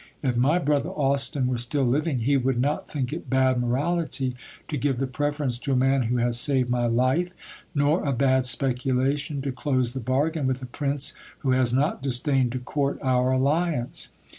If my brother Austin were still living, he would not think it bad morality to give the preference to a man who has saved my life, nor a bad speculation to close the bargain with a prince who has not disdained to court our alliance.